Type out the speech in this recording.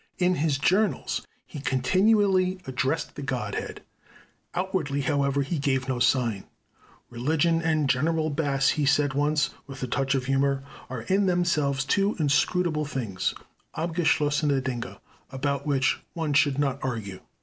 In his journals he continually addresses the Godhead. Outwardly, however, he gave no sign. "Religion and general bass," he said once, with a touch of humor, "are in themselves two inscrutable things (abgeschlossene Dinge) about which one should not argue."